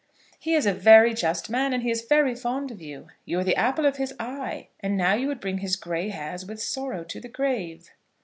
"He is a very just man, and he is very fond of you. You are the apple of his eye, and now you would bring his gray hairs with sorrow to the grave."